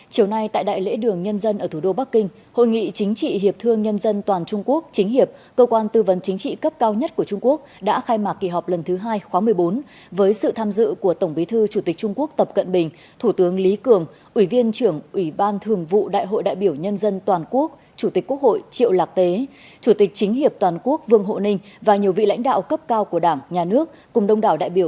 chiều nay tại đại lễ đường nhân dân ở thủ đô bắc kinh hội nghị chính trị hiệp thương nhân dân toàn trung quốc chính hiệp cơ quan tư vấn chính trị cấp cao nhất của trung quốc đã khai mạc kỳ họp lần thứ hai khóa một mươi bốn với sự tham dự của tổng bí thư chủ tịch trung quốc tập cận bình thủ tướng lý cường ủy viên trưởng ủy ban thường vụ đại hội đại biểu nhân dân toàn quốc chủ tịch quốc hội triệu lạc tế chủ tịch chính hiệp toàn quốc vương hộ ninh và nhiều vị lãnh đạo cấp cao của đảng nhà nước cùng đông đảo đại biểu